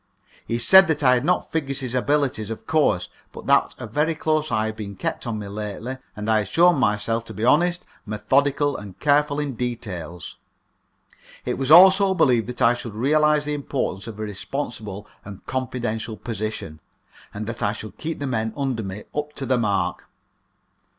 He said that I had not Figgis's abilities, of course, but that a very close eye had been kept on me lately, and I had shown myself to be honest, methodical, and careful in details. It was also believed that I should realize the importance of a responsible and confidential position, and that I should keep the men under me up to the mark.